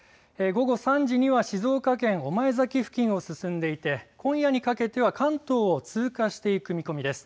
午後３時には静岡県御前崎付近を進んでいて今夜にかけては関東を通過していく見込みです。